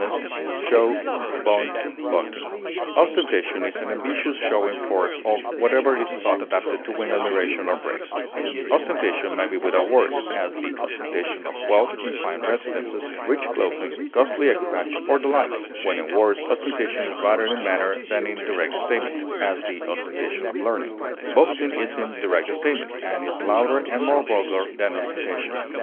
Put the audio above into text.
display, pageantry, pomposity, Ostentation is an ambitious showing forth of whatever is thought adapted to win admiration or praise; ostentation may be without words; as, the ostentation of wealth in fine residences, rich clothing, costly equipage, or the like; when in words, ostentation is rather in manner than in direct statement; as, the ostentation of learning. Boasting is in direct statement, and is louder and more vulgar than ostentation.